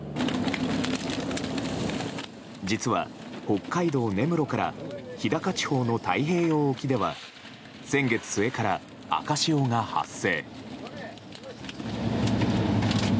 実は北海道根室から、日高地方の太平洋沖では先月末から赤潮が発生。